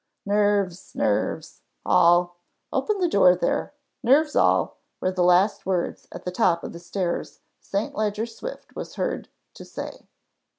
Nerves! nerves! all open the door there Nerves all," were the last words, at the top of the stairs, St. Leger Swift was heard to say.